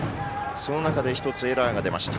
その中で１つ、エラーが出ました。